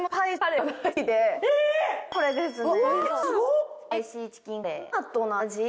これですね。